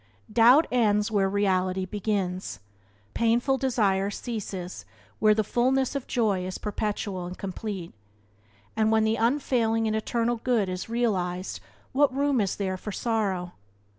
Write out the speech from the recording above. Doubt ends where reality begins; painful desire ceases where the fullness of joy is perpetual and complete; and when the Unfailing and Eternal Good is realized what room is there for sorrow?